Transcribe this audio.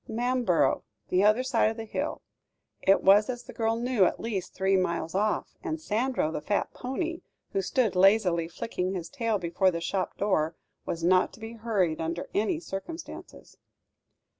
"Manborough the other side of the hill." It was, as the girl knew, at least three miles off, and Sandro, the fat pony who stood lazily flicking his tail before the shop door, was not to be hurried under any circumstances.